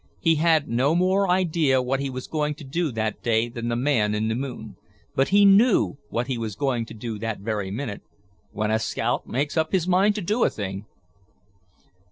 He had no more idea what he was going to do that day than the man in the moon. But he knew what he was going to do that very minute. When a scout makes up his mind to do a thing....